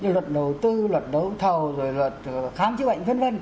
luật đầu tư luật đấu thầu rồi luật khám chữa bệnh v v